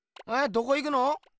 どこ行くの？